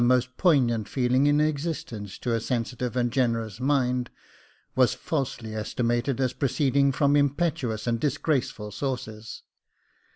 L i62 Jacob Faithful most poignant feeling in existence to a sensitive and generous mind — was falsely estimated as proceeding from impetuous and disgraceful sources.